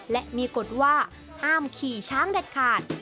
และมีกฎว่าห้ามขี่ช้างเด็ดขาด